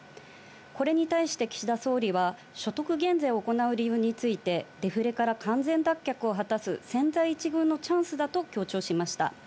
これに対して岸田総理は所得減税を行う理由について、デフレから完全脱却を果たす千載一遇のチャンスだと強調しました。